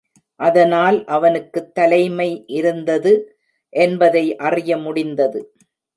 அதனால் அவனுக்குத் தலைமை இருந்தது என்பதை அறிய முடிந்தது.